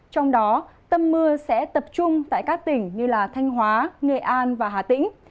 trong đó tâm mưa sẽ tập trung tại các tỉnh như thanh hóa nghệ an và hà tĩnh